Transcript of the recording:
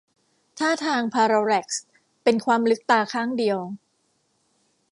ท่าทางพารัลแลกซ์เป็นความลึกตาข้างเดียว